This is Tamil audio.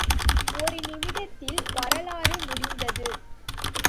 ஒரு நிமிடத்தில் வரலாறு முடிந்தது.